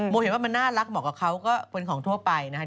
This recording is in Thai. เห็นว่ามันน่ารักเหมาะกับเขาก็เป็นของทั่วไปนะครับ